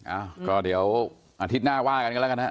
อ้าวก็เดี๋ยวอาทิตย์หน้าว่ากันกันแล้วกันฮะ